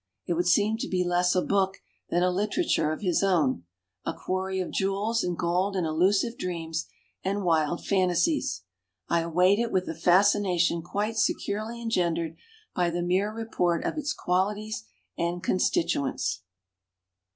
It would seem to be less a book than a literature of his own, a quarry of jewels and gold and elusive dreams and wild fantasies. I await it with a fascination quite se curely engendered by the mere report of its qualities and constituents.